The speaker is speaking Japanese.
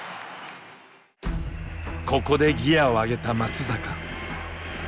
ここでギアを上げた松坂。